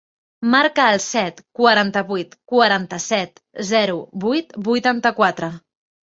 Marca el set, quaranta-vuit, quaranta-set, zero, vuit, vuitanta-quatre.